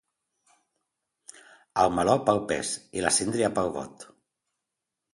El meló, pel pes, i, la síndria, pel bot.